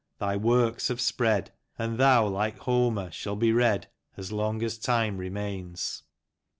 thy works have spread, And thou, Hke Homer, shall be read As long as time remains."